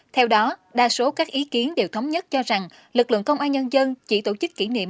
theo đó đa số các ý kiến đều thống nhất cho rằng lực lượng công an nhân dân chỉ tổ chức kỷ niệm